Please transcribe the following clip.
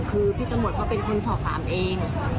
คือพี่ตำรวจเขาเป็นคนสอบถามเอง